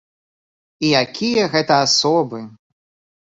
І якія гэта асобы!